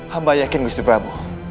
hamba yakin gusti prabu